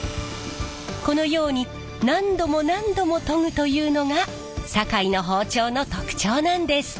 このように何度も何度も研ぐというのが堺の包丁の特徴なんです。